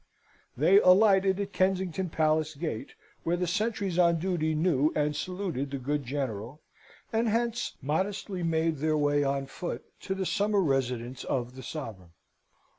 They alighted at Kensington Palace Gate, where the sentries on duty knew and saluted the good General, and hence modestly made their way on foot to the summer residence of the sovereign.